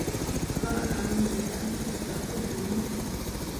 طلب سامي من ليلى أن تساعده في حلّ المشكل.